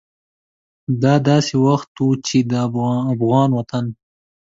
دا داسې وخت و چې د افغان وطن